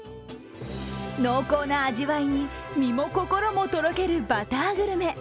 濃厚な味わいに身も心もとろけるバターグルメ。